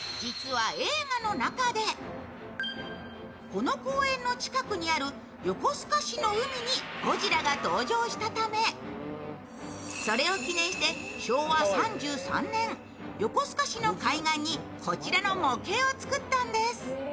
この公園の近くにある横須賀市の海にゴジラが登場したため、それを記念して、昭和３３年横須賀市の海岸にこちらの模型を作ったんです。